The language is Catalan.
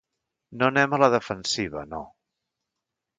No anem a la defensiva, no.